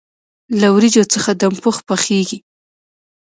له وریجو څخه دم پخ پخیږي.